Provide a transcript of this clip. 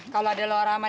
kalau ada luar ramah